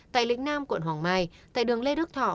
tại lĩnh nam quận hoàng mai tại đường lê đức thọ